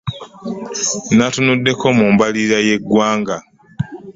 Nnatunuddeko mu mbalirira y’eggwanga